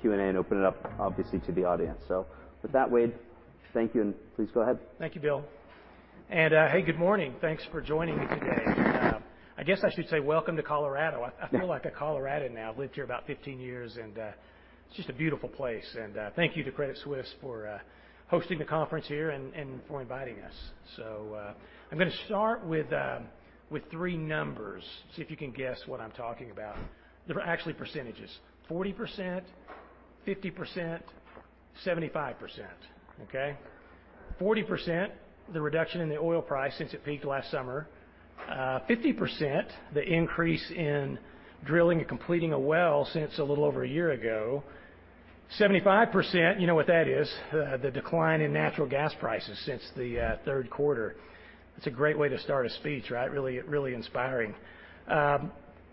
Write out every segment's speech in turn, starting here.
Q&A and open it up obviously to the audience. With that, Wade, thank you, and please go ahead. Thank you, Bill. Hey, good morning. Thanks for joining me today. I guess I should say welcome to Colorado. I feel like a Coloradan now. I've lived here about 15 years. It's just a beautiful place. Thank you to Credit Suisse for hosting the conference here and for inviting us. I'm gonna start with three numbers. See if you can guess what I'm talking about. They're actually percentages. 40%, 50%, 75%. Okay? 40%, the reduction in the oil price since it peaked last summer. 50%, the increase in drilling and completing a well since a little over a year ago. 75%, you know what that is, the decline in natural gas prices since the third quarter. It's a great way to start a speech, right? Inspiring.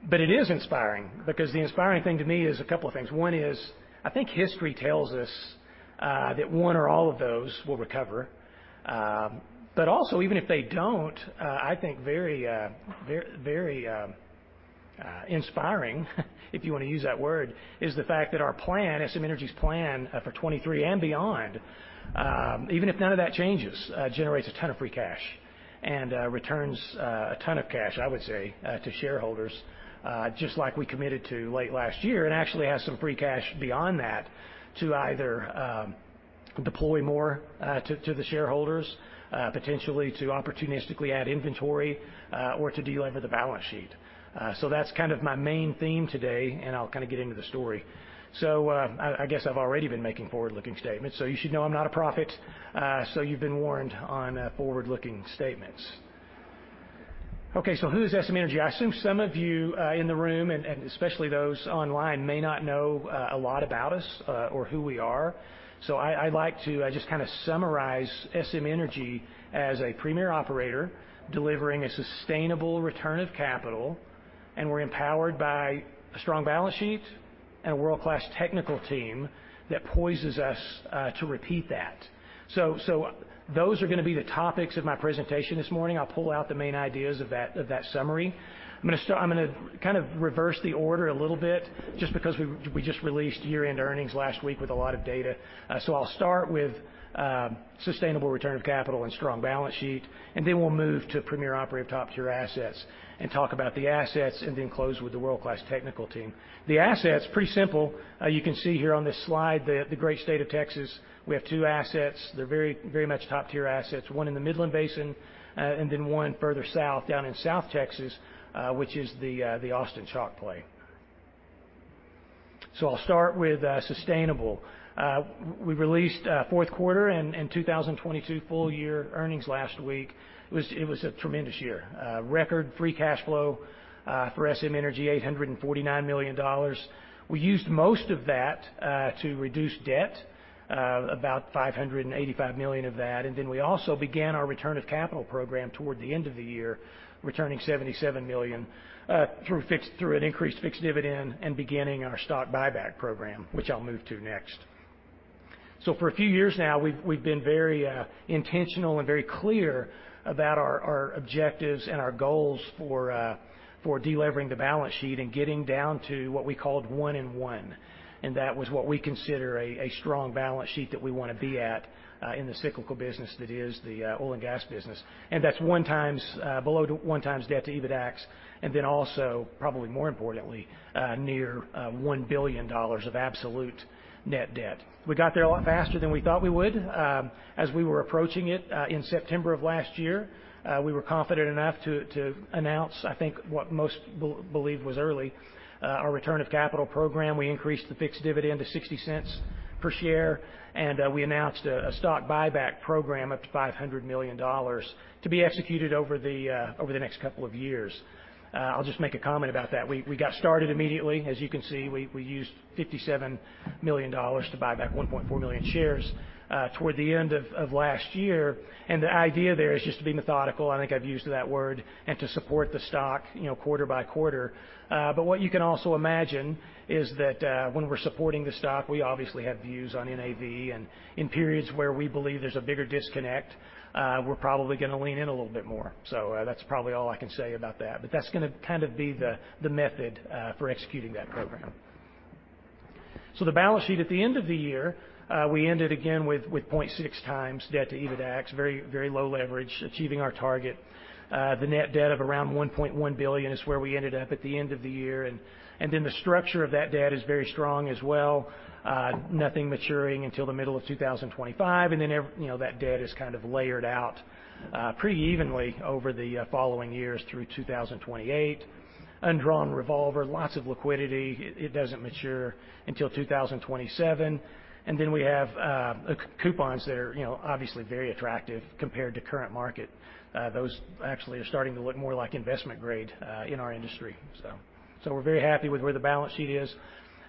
It is inspiring because the inspiring thing to me is a couple of things. One is I think history tells us that one or all of those will recover. Also even if they don't, I think very, very inspiring, if you wanna use that word, is the fact that our plan, SM Energy's plan, for 2023 and beyond, even if none of that changes, generates a ton of free cash and returns a ton of cash, I would say, to shareholders, just like we committed to late last year and actually has some free cash beyond that to either deploy more to the shareholders, potentially to opportunistically add inventory, or to delever the balance sheet. That's kind of my main theme today, and I'll kinda get into the story. I guess I've already been making forward-looking statements, so you should know I'm not a prophet, so you've been warned on forward-looking statements. Okay, who is SM Energy? I assume some of you in the room and especially those online may not know a lot about us or who we are. I'd like to just kinda summarize SM Energy as a premier operator delivering a sustainable return of capital, and we're empowered by a strong balance sheet and a world-class technical team that poises us to repeat that. Those are gonna be the topics of my presentation this morning. I'll pull out the main ideas of that, of that summary. I'm gonna kind of reverse the order a little bit just because we just released year-end earnings last week with a lot of data. I'll start with sustainable return of capital and strong balance sheet, we'll move to premier operator of top-tier assets and talk about the assets, close with the world-class technical team. The assets, pretty simple. You can see here on this slide the great state of Texas. We have two assets. They're very much top-tier assets, one in the Midland Basin, one further south down in South Texas, which is the Austin Chalk Play. I'll start with sustainable. We released fourth quarter and 2022 full year earnings last week. It was a tremendous year. Record free cash flow for SM Energy, $849 million. We used most of that to reduce debt, about $585 million of that, and then we also began our return of capital program toward the end of the year, returning $77 million through an increased fixed dividend and beginning our stock buyback program, which I'll move to next. For a few years now, we've been very intentional and very clear about our objectives and our goals for delevering the balance sheet and getting down to what we called one-in-one, and that was what we consider a strong balance sheet that we want to be at in the cyclical business that is the oil and gas business. That's 1x below 1x debt to EBITDAX, probably more importantly, near $1 billion of absolute net debt. We got there a lot faster than we thought we would. As we were approaching it in September of last year, we were confident enough to announce I think what most believe was early, our return of capital program. We increased the fixed dividend to $0.60 per share, we announced a stock buyback program up to $500 million to be executed over the next couple of years. I'll just make a comment about that. We got started immediately. As you can see, we used $57 million to buy back 1.4 million shares toward the end of last year. The idea there is just to be methodical, I think I've used that word, and to support the stock, you know, quarter by quarter. What you can also imagine is that when we're supporting the stock, we obviously have views on NAV, and in periods where we believe there's a bigger disconnect, we're probably gonna lean in a little bit more. That's probably all I can say about that, but that's gonna kind of be the method for executing that program. The balance sheet at the end of the year, we ended again with 0.6x debt to EBITDAX, very, very low leverage, achieving our target. The net debt of around $1.1 billion is where we ended up at the end of the year, then the structure of that debt is very strong as well. Nothing maturing until the middle of 2025, and then you know, that debt is kind of layered out pretty evenly over the following years through 2028. Undrawn revolver, lots of liquidity. It doesn't mature until 2027. Then we have coupons that are, you know, obviously very attractive compared to current market. Those actually are starting to look more like investment grade in our industry. We're very happy with where the balance sheet is.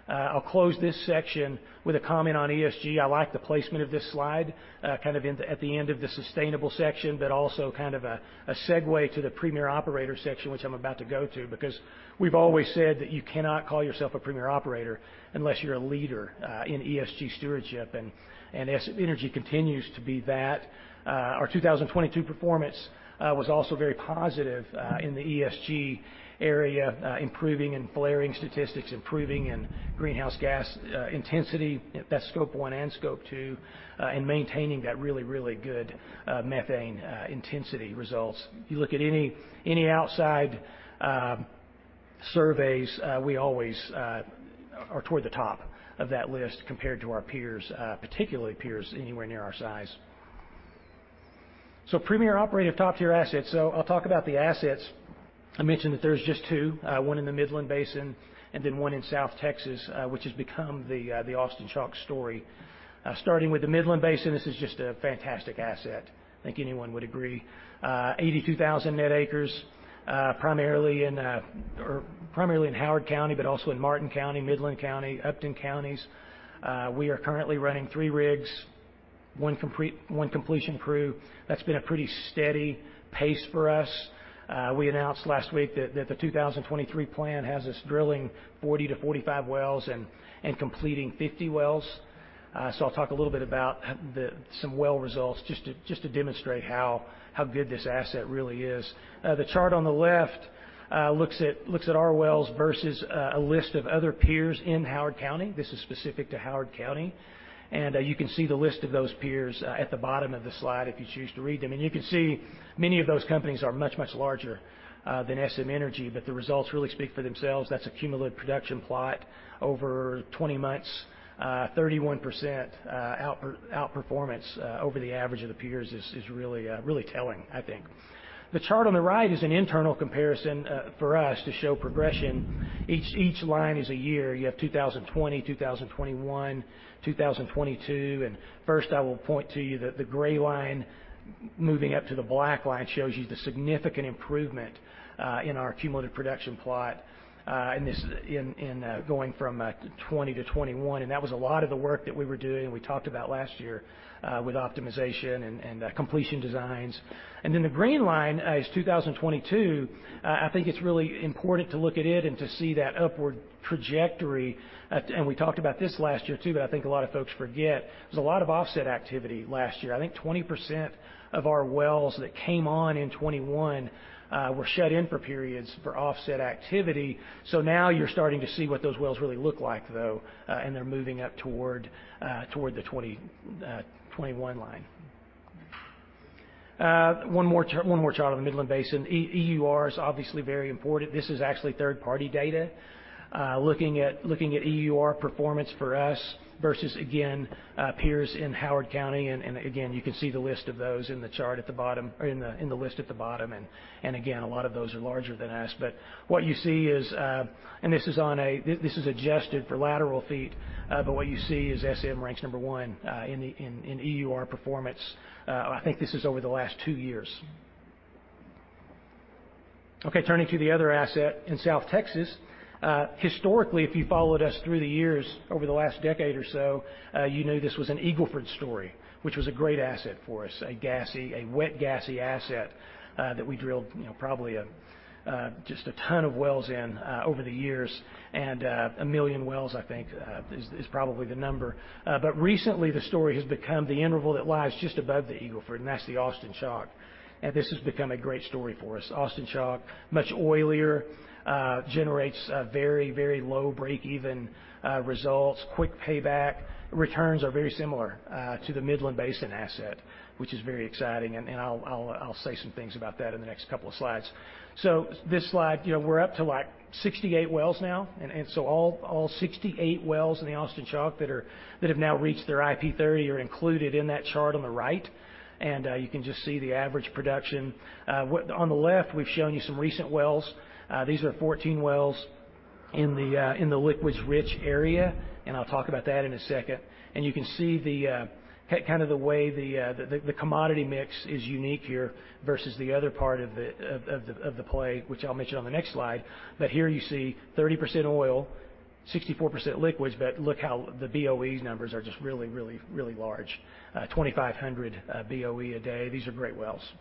I'll close this section with a comment on ESG. I like the placement of this slide, kind of at the end of the sustainable section, also kind of a segue to the premier operator section, which I'm about to go to, because we've always said that you cannot call yourself a premier operator unless you're a leader in ESG stewardship, and SM Energy continues to be that. Our 2022 performance was also very positive in the ESG area, improving in flaring statistics, improving in greenhouse gas intensity, that's Scope one and Scope two, and maintaining that really, really good methane intensity results. You look at any outside Surveys, we always are toward the top of that list compared to our peers, particularly peers anywhere near our size. Premier operative top-tier assets. I'll talk about the assets. I mentioned that there's just two, one in the Midland Basin and then one in South Texas, which has become the Austin Chalk story. Starting with the Midland Basin, this is just a fantastic asset. I think anyone would agree. 82,000 net acres, primarily in Howard County, but also in Martin County, Midland County, Upton counties. We are currently running three rigs, one completion crew. That's been a pretty steady pace for us. We announced last week that the 2023 plan has us drilling 40-45 wells and completing 50 wells. I'll talk a little bit about some well results just to demonstrate how good this asset really is. The chart on the left looks at our wells versus a list of other peers in Howard County. This is specific to Howard County. You can see the list of those peers at the bottom of the slide if you choose to read them. You can see many of those companies are much, much larger than SM Energy, but the results really speak for themselves. That's a cumulative production plot over 20 months. 31% outperformance over the average of the peers is really telling, I think. The chart on the right is an internal comparison for us to show progression. Each line is a year. You have 2020, 2021, 2022. First, I will point to you that the gray line moving up to the black line shows you the significant improvement, in our cumulative production plot, and this in, going from, 2020-2021. That was a lot of the work that we were doing and we talked about last year, with optimization and completion designs. Then the green line is 2022. I think it's really important to look at it and to see that upward trajectory. We talked about this last year too, but I think a lot of folks forget there's a lot of offset activity last year. I think 20% of our wells that came on in 2021, were shut in for periods for offset activity. Now you're starting to see what those wells really look like, though, and they're moving up toward the 21 line. One more chart on the Midland Basin. EUR is obviously very important. This is actually third-party data, looking at EUR performance for us versus again, peers in Howard County. Again, you can see the list of those in the chart at the bottom or in the list at the bottom. Again, a lot of those are larger than us. What you see is. This is adjusted for lateral feet. What you see is SM ranks number one in EUR performance. I think this is over the last two years. Okay, turning to the other asset in South Texas. Historically, if you followed us through the years over the last decade or so, you know this was an Eagle Ford story, which was a great asset for us, a gassy, a wet gassy asset that we drilled, you know, probably just a ton of wells in over the years. 1 million wells, I think, is probably the number. Recently the story has become the interval that lies just above the Eagle Ford, and that's the Austin Chalk. This has become a great story for us. Austin Chalk, much oilier, generates very, very low breakeven results, quick payback. Returns are very similar to the Midland Basin asset, which is very exciting. I'll say some things about that in the next couple of slides. This slide, you know, we're up to like 68 wells now. All 68 wells in the Austin Chalk that have now reached their IP30 are included in that chart on the right. You can just see the average production. On the left, we've shown you some recent wells. These are 14 wells in the liquids-rich area, and I'll talk about that in a second. You can see the kind of the way the commodity mix is unique here versus the other part of the play, which I'll mention on the next slide. Here you see 30% oil, 64% liquids. Look how the BOE numbers are just really large. 2,500 BOE a day. These are great wells.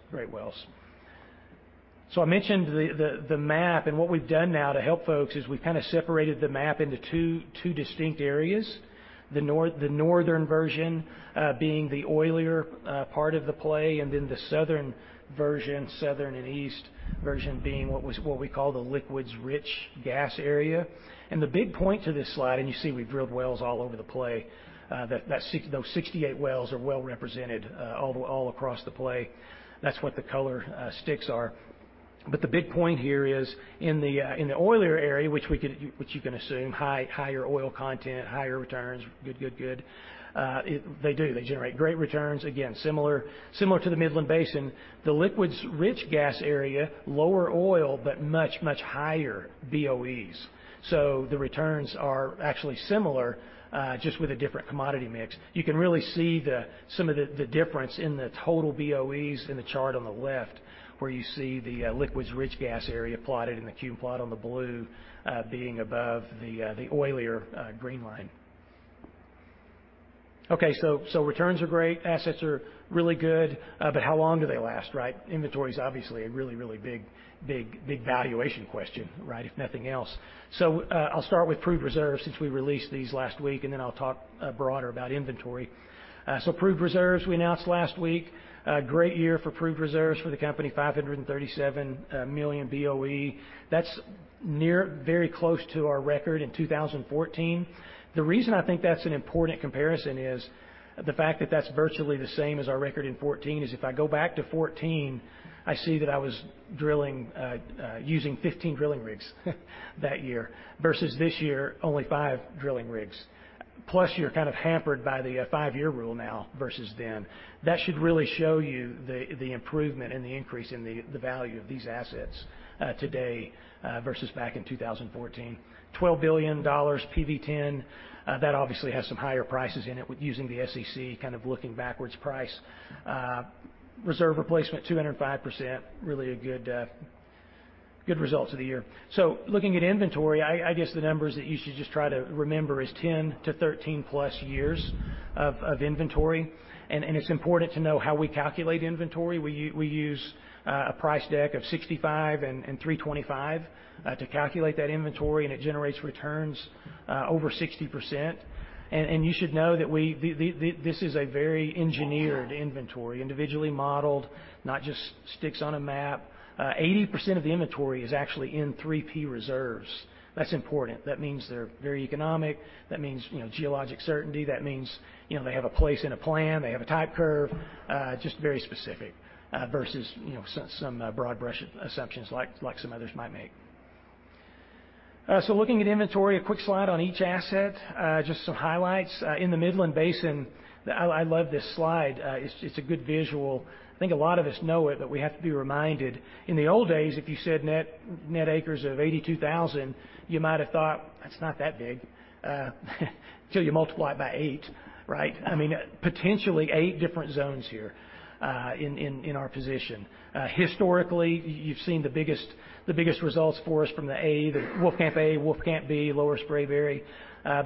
I mentioned the map, and what we've done now to help folks is we've kind of separated the map into two distinct areas. The north, the northern version, being the oilier, part of the play, and then the southern version, southern and east version being what we call the liquids-rich gas area. The big point to this slide, and you see we've drilled wells all over the play, those 68 wells are well represented all across the play. That's what the color sticks are. The big point here is in the oilier area, which you can assume high, higher oil content, higher returns, good, they do. They generate great returns. Again, similar to the Midland Basin. The liquids-rich gas area, lower oil, but much higher BOEs. The returns are actually similar, just with a different commodity mix. You can really see some of the difference in the total BOEs in the chart on the left, where you see the liquids-rich gas area plotted in the cube plot on the blue, being above the oilier green line. Returns are great. Assets are really good. How long do they last, right? Inventory is obviously a really big valuation question, right? If nothing else. I'll start with proved reserves since we released these last week. I'll talk broader about inventory. Proved reserves we announced last week. Great year for proved reserves for the company, 537 million BOE. That's near very close to our record in 2014. The reason I think that's an important comparison is the fact that that's virtually the same as our record in 2014. If I go back to 2014, I see that I was drilling, using 15 drilling rigs that year versus this year, only five drilling rigs. Plus you're kind of hampered by the five-year rule now versus then. That should really show you the improvement and the increase in the value of these assets today versus back in 2014. $12 billion PV-10, that obviously has some higher prices in it with using the SEC kind of looking backwards price. Reserve replacement 205%, really a good results of the year. Looking at inventory, I guess the numbers that you should just try to remember is 10-13+ years of inventory. And it's important to know how we calculate inventory. We use a price deck of 65% and 3.25% to calculate that inventory, and it generates returns over 60%. And you should know that we this is a very engineered inventory, individually modeled, not just sticks on a map. 80% of the inventory is actually in 3P reserves. That's important. That means they're very economic. That means, you know, geologic certainty. They have a place in a plan, they have a type curve, just very specific, versus, you know, some broad brush assumptions like some others might make. Looking at inventory, a quick slide on each asset, just some highlights in the Midland Basin. I love this slide. It's a good visual. I think a lot of us know it, we have to be reminded. In the old days, if you said net acres of 82,000, you might have thought, "That's not that big," till you multiply it by eight, right? I mean, potentially eight different zones here in our position. Historically, you've seen the biggest results for us from the A, the Wolfcamp A, Wolfcamp B, Lower Spraberry,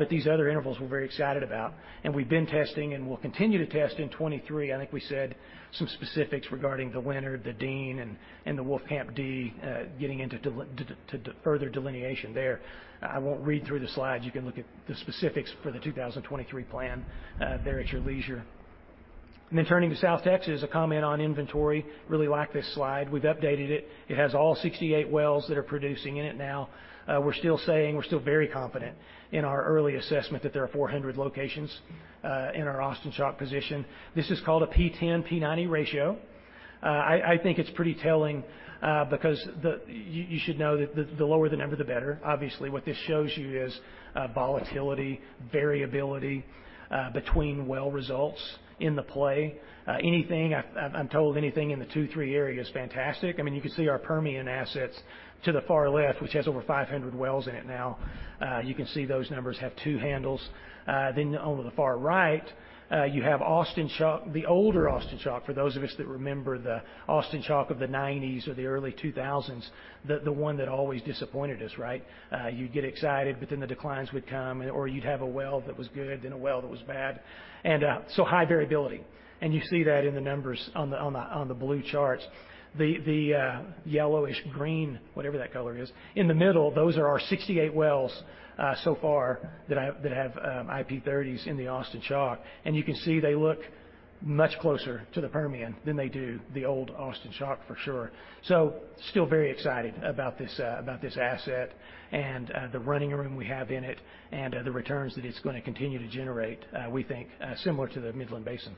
these other intervals we're very excited about. We've been testing and we'll continue to test in 23. I think we said some specifics regarding the Leonard, the Dean, and the Wolfcamp D, getting into further delineation there. I won't read through the slides. You can look at the specifics for the 2023 plan there at your leisure. Turning to South Texas, a comment on inventory. Really like this slide. We've updated it. It has all 68 wells that are producing in it now. We're still very confident in our early assessment that there are 400 locations in our Austin Chalk position. This is called a P10, P90 ratio. I think it's pretty telling, because you should know that the lower the number, the better. Obviously, what this shows you is volatility, variability, between well results in the play. Anything I'm told anything in the two, three area is fantastic. I mean, you can see our Permian assets to the far left, which has over 500 wells in it now. You can see those numbers have two handles. Over the far right, you have Austin Chalk, the older Austin Chalk, for those of us that remember the Austin Chalk of the 1990s or the early 2000s, the one that always disappointed us, right? You'd get excited, but then the declines would come, or you'd have a well that was good, then a well that was bad. So high variability. You see that in the numbers on the blue charts. The yellowish green, whatever that color is, in the middle, those are our 68 wells so far that have IP30s in the Austin Chalk. You can see they look much closer to the Permian than they do the old Austin Chalk for sure. Still very excited about this about this asset and the running room we have in it and the returns that it's gonna continue to generate, we think, similar to the Midland Basin.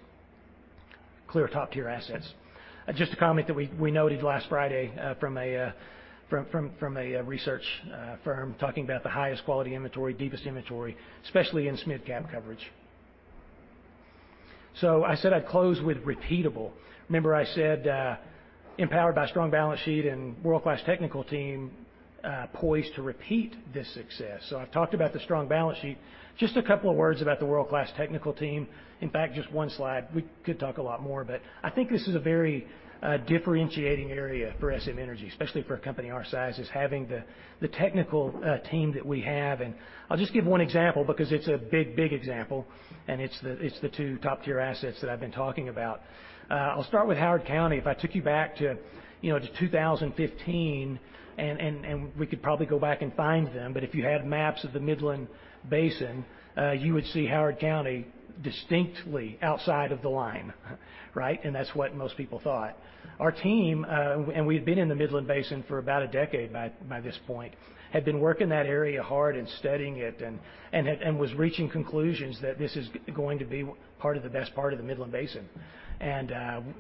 Clear top-tier assets. Just a comment that we noted last Friday from a research firm talking about the highest quality inventory, deepest inventory, especially in mid-cap coverage. I said I'd close with repeatable. Remember I said, empowered by strong balance sheet and world-class technical team, poised to repeat this success. I've talked about the strong balance sheet. Just a couple of words about the world-class technical team. In fact, just one slide. We could talk a lot more, but I think this is a very differentiating area for SM Energy, especially for a company our size, is having the technical team that we have. I'll just give one example because it's a big example, and it's the two top-tier assets that I've been talking about. I'll start with Howard County. If I took you back to, you know, to 2015, and we could probably go back and find them, but if you had maps of the Midland Basin, you would see Howard County distinctly outside of the line, right? That's what most people thought. Our team, and we've been in the Midland Basin for about a decade by this point, had been working that area hard and studying it and was reaching conclusions that this is going to be part of the best part of the Midland Basin.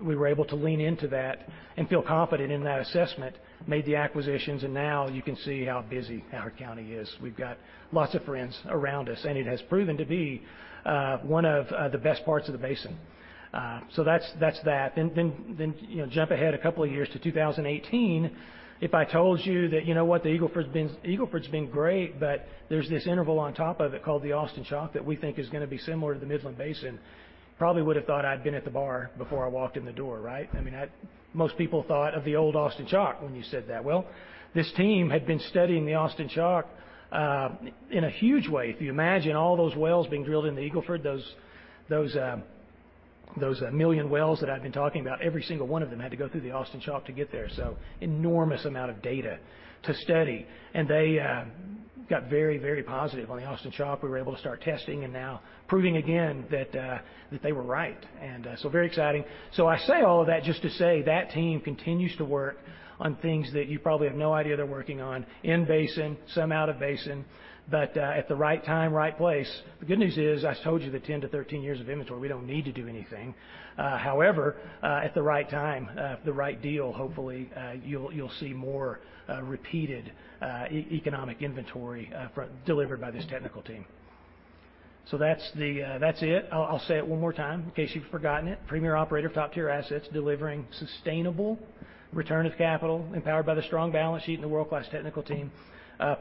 We were able to lean into that and feel confident in that assessment, made the acquisitions, and now you can see how busy Howard County is. We've got lots of friends around us, it has proven to be, one of, the best parts of the basin. That's, that's that. You know, jump ahead a couple of years to 2018. If I told you that, you know what? The Eagle Ford's been great, but there's this interval on top of it called the Austin Chalk that we think is gonna be similar to the Midland Basin, probably would have thought I'd been at the bar before I walked in the door, right? I mean, most people thought of the old Austin Chalk when you said that. This team had been studying the Austin Chalk, in a huge way. If you imagine all those wells being drilled in the Eagle Ford, those million wells that I've been talking about, every single one of them had to go through the Austin Chalk to get there. Enormous amount of data to study. They got very positive on the Austin Chalk. We were able to start testing and now proving again that they were right. Very exciting. I say all of that just to say that team continues to work on things that you probably have no idea they're working on in-basin, some out-of-basin, but at the right time, right place. The good news is I told you the 10-13 years of inventory, we don't need to do anything. However, at the right time, the right deal, hopefully, you'll see more repeated economic inventory delivered by this technical team. That's it. I'll say it one more time in case you've forgotten it. Premier operator, top-tier assets, delivering sustainable return of capital, empowered by the strong balance sheet and the world-class technical team,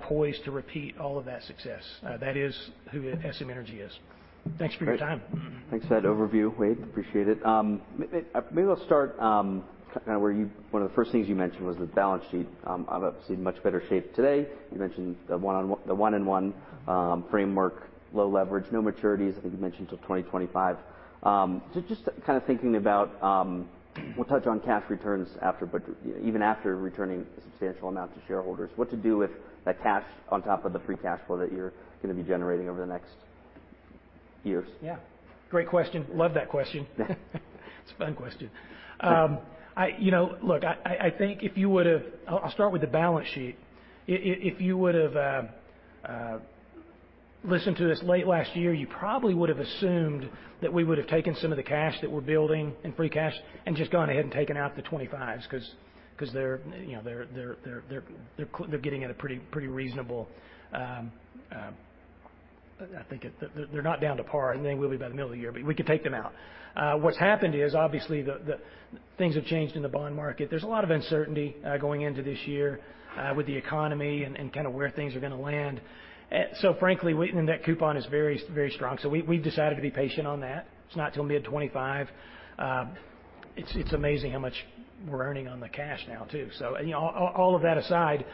poised to repeat all of that success. That is who SM Energy is. Thanks for your time. Great. Thanks for that overview, Wade. Appreciate it. Maybe we'll start kind of where one of the first things you mentioned was the balance sheet, obviously in much better shape today. You mentioned the one-in-one framework, low leverage, no maturities, I think you mentioned, till 2025. Just kind of thinking about, we'll touch on cash returns after, but even after returning a substantial amount to shareholders, what to do with that cash on top of the free cash flow that you're gonna be generating over the next years? Yeah. Great question. Love that question. It's a fun question. I, you know, look, I think I'll start with the balance sheet. If you would've listened to this late last year, you probably would've assumed that we would've taken some of the cash that we're building in free cash and just gone ahead and taken out the 2025s cause they're, you know, they're getting at a pretty reasonable. I think They're not down to par. They will be by the middle of the year, but we could take them out. What's happened is obviously the things have changed in the bond market. There's a lot of uncertainty going into this year with the economy and kinda where things are gonna land. Frankly, and that coupon is very, very strong, so we've decided to be patient on that. It's not till mid-2025. It's amazing how much we're earning on the cash now too. You know, all of that aside,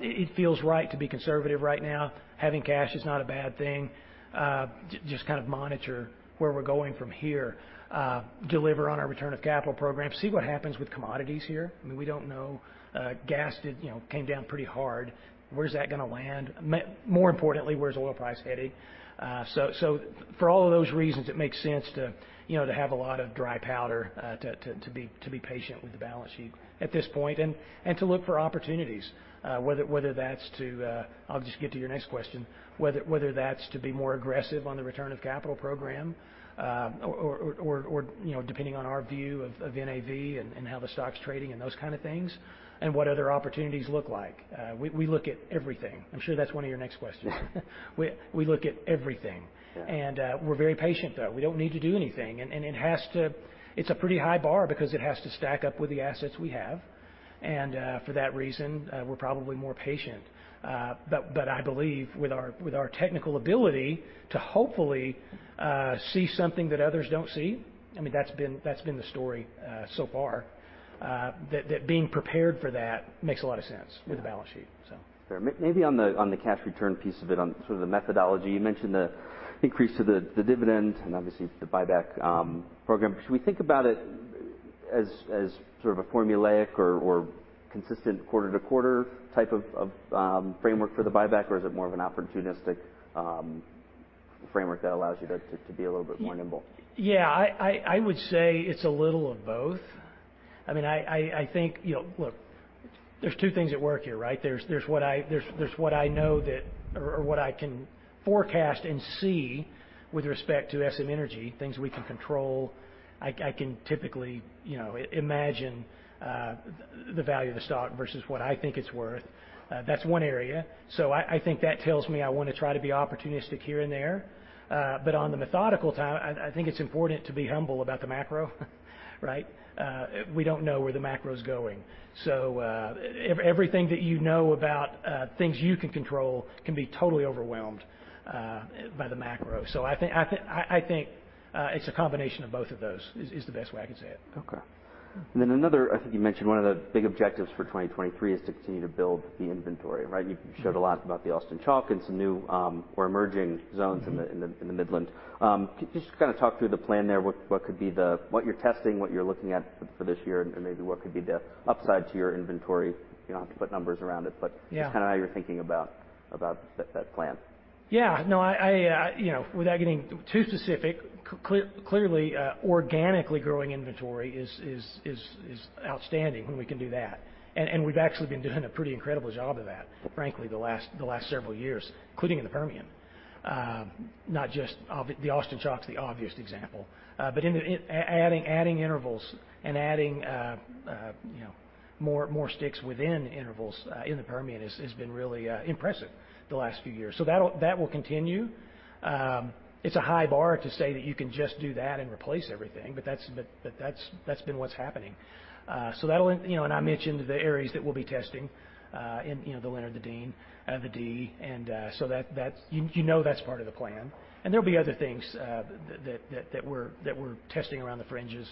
it feels right to be conservative right now. Having cash is not a bad thing. Just kind of monitor where we're going from here. Deliver on our return of capital program. See what happens with commodities here. I mean, we don't know. Gas did, you know, came down pretty hard. Where's that gonna land? More importantly, where's oil price heading? So for all of those reasons, it makes sense to, you know, to have a lot of dry powder, to be patient with the balance sheet at this point, and to look for opportunities, whether that's to. I'll just get to your next question. Whether that's to be more aggressive on the return of capital program, or, you know, depending on our view of NAV and how the stock's trading and those kind of things, and what other opportunities look like. We look at everything. I'm sure that's one of your next questions. Yeah. We look at everything. Yeah. We're very patient, though. We don't need to do anything. It's a pretty high bar because it has to stack up with the assets we have. For that reason, we're probably more patient. I believe with our, with our technical ability to hopefully, see something that others don't see, I mean, that's been the story, so far, that being prepared for that makes a lot of sense. Yeah with the balance sheet, so. Fair. Maybe on the cash return piece of it, on sort of the methodology, you mentioned the increase to the dividend and obviously the buyback program. Should we think about it as sort of a formulaic or consistent quarter-to-quarter type of framework for the buyback, or is it more of an opportunistic framework that allows you to be a little bit more nimble? Yeah. I would say it's a little of both. I mean, I think, you know. Look, there's two things at work here, right? There's what I know that or what I can forecast and see with respect to SM Energy, things we can control. I can typically, you know, imagine the value of the stock versus what I think it's worth. That's one area. I think that tells me I wanna try to be opportunistic here and there. On the methodical time, I think it's important to be humble about the macro, right? We don't know where the macro's going. everything that you know about things you can control can be totally overwhelmed by the macro. I think, it's a combination of both of those, is the best way I can say it. Okay. I think you mentioned one of the big objectives for 2023 is to continue to build the inventory, right? Mm-hmm. You showed a lot about the Austin Chalk and some new, or emerging zones. Mm-hmm in the Midland. Could you just kinda talk through the plan there? What could be what you're testing, what you're looking at for this year, and maybe what could be the upside to your inventory? You don't have to put numbers around it, but. Yeah just kinda how you're thinking about that plan. Yeah. No. I, you know, without getting too specific, clearly, organically growing inventory is outstanding when we can do that. We've actually been doing a pretty incredible job of that, frankly, the last several years, including in the Permian. Not just The Austin Chalk's the obvious example. In adding intervals and adding, you know, more sticks within intervals, in the Permian has been really impressive the last few years. That will continue. It's a high bar to say that you can just do that and replace everything, but that's been what's happening. You know, and I mentioned the areas that we'll be testing, in, you know, the Leonard, the Dean, the D. So that's, you know, that's part of the plan. There'll be other things that we're testing around the fringes.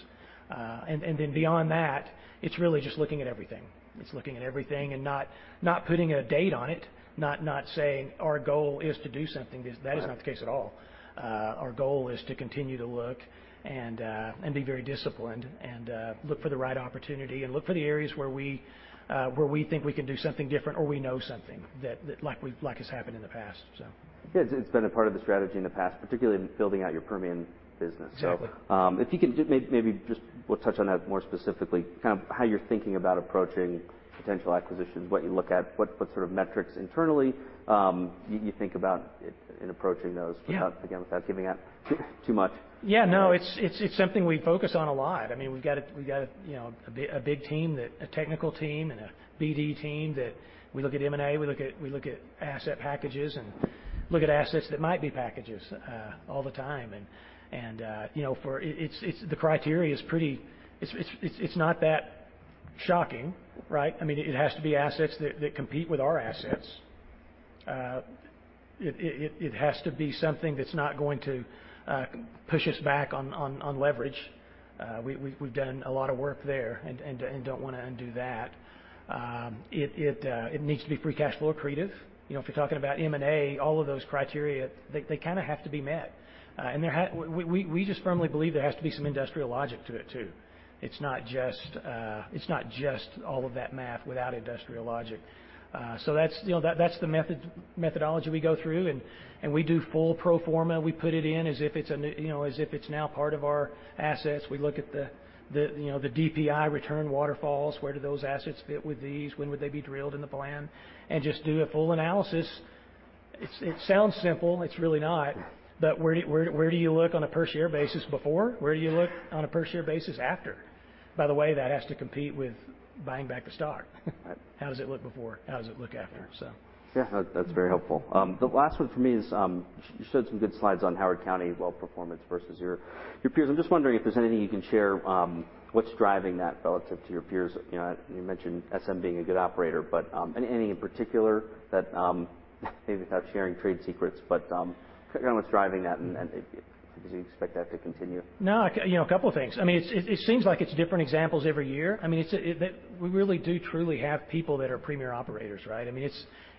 Then beyond that, it's really just looking at everything. It's looking at everything and not putting a date on it, not saying our goal is to do something. Cause that is not the case at all. Our goal is to continue to look and be very disciplined and look for the right opportunity and look for the areas where we think we can do something different or we know something that like has happened in the past, so. Yeah. It's been a part of the strategy in the past, particularly in building out your Permian business. Exactly. If you can just maybe just we'll touch on that more specifically, kind of how you're thinking about approaching potential acquisitions, what you look at, what sort of metrics internally, you think about in approaching those. Yeah Without, again, giving out too much. Yeah, no. It's something we focus on a lot. I mean, we've got a, you know, a big team that a technical team and a BD team that we look at M&A, we look at asset packages, and look at assets that might be packages all the time. you know, The criteria is pretty. It's not that shocking, right? I mean, it has to be assets that compete with our assets. It has to be something that's not going to push us back on leverage. We've done a lot of work there and don't wanna undo that. It needs to be free cash flow accretive. You know, if you're talking about M&A, all of those criteria, they kinda have to be met. We just firmly believe there has to be some industrial logic to it too. It's not just, it's not just all of that math without industrial logic. So that's, you know, that's the methodology we go through, we do full pro forma. We put it in as if it's a new, you know, as if it's now part of our assets. We look at the, you know, the DPI return waterfalls. Where do those assets fit with these? When would they be drilled in the plan? Just do a full analysis. It sounds simple, and it's really not. Where do you look on a per-share basis before? Where do you look on a per-share basis after? By the way, that has to compete with buying back the stock. Right. How does it look before? How does it look after? Yeah. That's very helpful. The last one for me is, you showed some good slides on Howard County well performance versus your peers. I'm just wondering if there's anything you can share, what's driving that relative to your peers. You know, you mentioned SM being a good operator, but any in particular that, maybe without sharing trade secrets, but kinda what's driving that, and do you expect that to continue? No. You know, a couple things. I mean, it seems like it's different examples every year. I mean, we really do truly have people that are premier operators, right? I mean,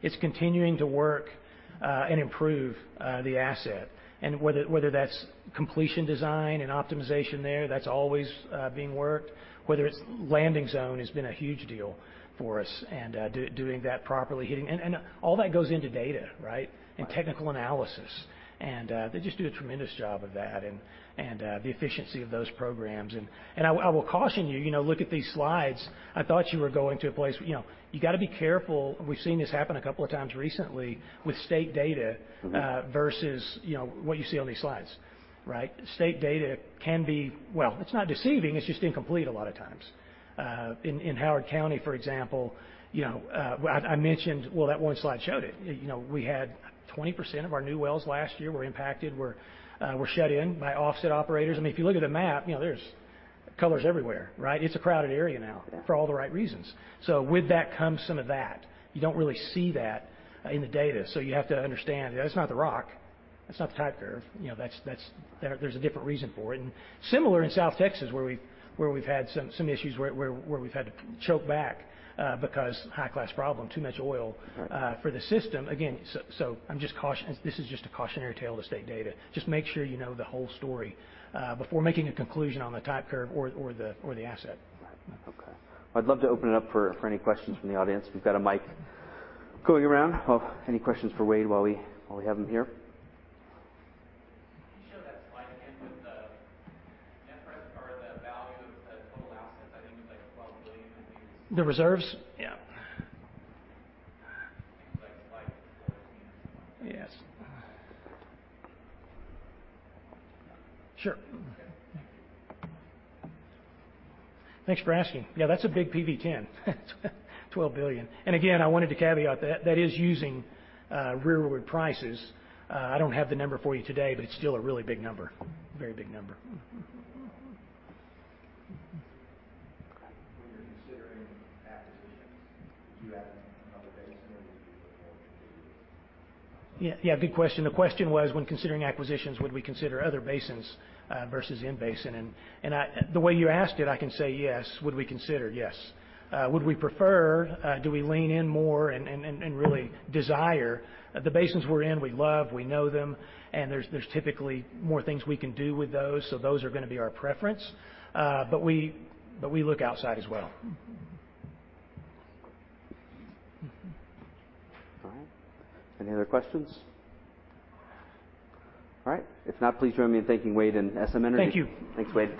it's continuing to work and improve the asset. Whether that's completion design and optimization there, that's always being worked. Whether it's landing zone has been a huge deal for us and doing that properly, hitting. All that goes into data, right? Right. Technical analysis. They just do a tremendous job of that and, the efficiency of those programs. I will caution you know, look at these slides. I thought you were going to a place. You know, you gotta be careful. We've seen this happen a couple of times recently with state data. Mm-hmm. versus, you know, what you see on these slides, right? State data can be. Well, it's not deceiving. It's just incomplete a lot of times. In Howard County, for example, you know, I mentioned. Well, that one slide showed it. You know, we had 20% of our new wells last year were impacted, were shut in by offset operators. I mean, if you look at a map, you know, there's colors everywhere, right? It's a crowded area now. Yeah. For all the right reasons. With that comes some of that. You don't really see that in the data, so you have to understand that's not the rock. That's not the type curve. You know, that's. There's a different reason for it. Similar in South Texas, where we've had some issues where we've had to choke back because high-class problem, too much oil for the system. Again, so I'm just. This is just a cautionary tale to state data. Just make sure you know the whole story before making a conclusion on the type curve or the asset. Right. Okay. I'd love to open it up for any questions from the audience. We've got a mic going around. Any questions for Wade while we have him here? Can you show that slide again with the net present or the value of the total assets? I think it was like $12 billion. The reserves? Yeah. I think it was like slide 14 or something like that. Yes. Sure. Okay. Thanks for asking. Yeah, that's a big PV-10. $12 billion. Again, I wanted to caveat that. That is using rearward prices. I don't have the number for you today, but it's still a really big number. A very big number. Okay. When you're considering acquisitions, would you add other basins or would you perform continuously? Yeah. Yeah. Good question. The question was: When considering acquisitions, would we consider other basins versus in-basin? The way you asked it, I can say yes. Would we consider? Yes. Would we prefer, do we lean in more and really desire? The basins we're in, we love, we know them, and there's typically more things we can do with those, so those are gonna be our preference. But we look outside as well. All right. Any other questions? All right. If not, please join me in thanking Wade and SM Energy. Thank you. Thanks, Wade.